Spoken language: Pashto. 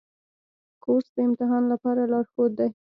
کورس د امتحان لپاره لارښود دی.